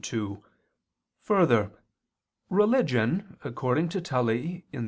2: Further, religion according to Tully (De Invent.